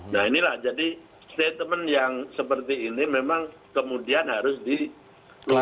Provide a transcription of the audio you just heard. nah inilah jadi statement yang seperti ini memang kemudian harus dikeluarkan